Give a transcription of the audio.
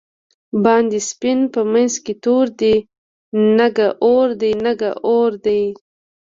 باندی سپین په منځ کی تور دۍ، نگه اور دی نگه اور دی